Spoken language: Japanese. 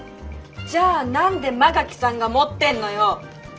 じゃあ何で馬垣さんが持ってんのよ！